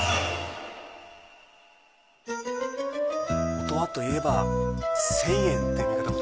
もとはといえば１，０００円って見方も。